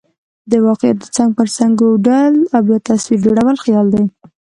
د واقعاتو څنګ پر څنګ اوډل او بیا تصویر جوړل خیال دئ.